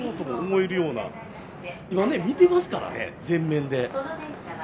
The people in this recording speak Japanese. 今ね見てますからね前面で。